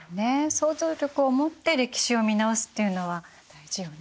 想像力をもって歴史を見直すっていうのは大事よね。